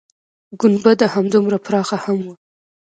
گنبده همدومره پراخه هم وه.